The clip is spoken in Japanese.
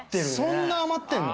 そんな余ってるの！？